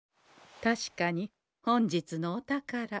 確かに本日のお宝